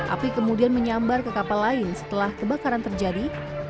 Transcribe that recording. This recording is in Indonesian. api kemudian menyambar ke kapal lain setelah kebakaran terjadi